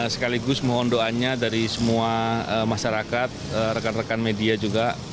sekaligus mohon doanya dari semua masyarakat rekan rekan media juga